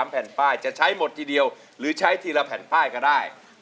แผ่นป้ายจะใช้หมดทีเดียวหรือใช้ทีละแผ่นป้ายก็ได้